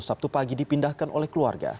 sabtu pagi dipindahkan oleh keluarga